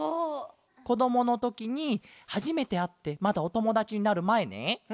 こどものときにはじめてあってまだおともだちになるまえね。